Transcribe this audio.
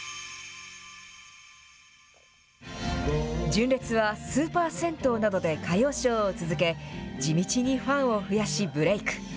純烈はスーパー銭湯などで歌謡ショーを続け、地道にファンを増やしブレーク。